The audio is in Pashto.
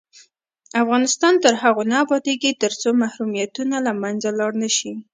افغانستان تر هغو نه ابادیږي، ترڅو محرومیتونه له منځه لاړ نشي.